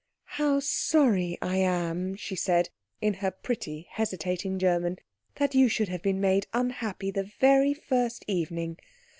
"How sorry I am," she said, in her pretty, hesitating German, "that you should have been made unhappy the very first evening.